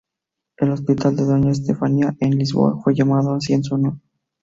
El Hospital de Doña Estefanía, en Lisboa, fue llamado así en su honor.